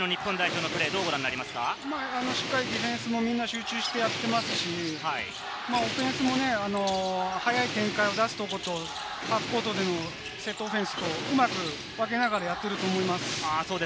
しっかりディフェンスもみんな集中してやってますし、オフェンスも早い展開を出すってこと、セットオフェンスと分けながらやっていると思います。